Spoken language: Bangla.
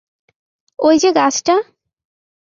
ঐ যে গাছটা!